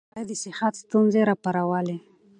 د هغې ناروغي د صحت ستونزې راوپارولې.